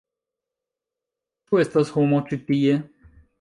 Ĉu estas homo ĉi tie?